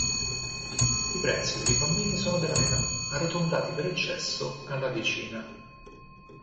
I prezzi per i bambini sono della metà, arrotondati per eccesso alla decina.